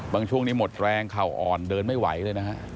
ช่วงนี้หมดแรงเข่าอ่อนเดินไม่ไหวเลยนะฮะ